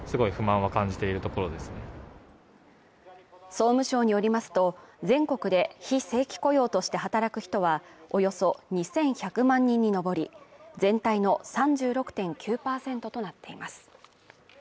総務省によりますと、全国で非正規雇用として働く人はおよそ２１００万人に上り、全体の３６．９％となっています。